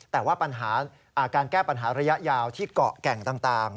แต่ว่าปัญหาการแก้ปัญหาระยะยาวที่เกาะแก่งต่าง